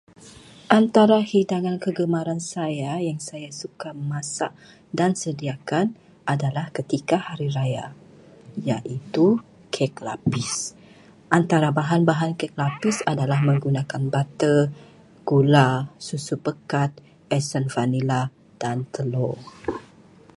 Antara hidangan kegemaran saya yang saya suka masak dan sediakan adalah ketika hari raya, iaitu kek lapis. Antara bahan-bahan kek lapis adalah menggunakan butter, gula, susu pekat, esen vanila dan telur.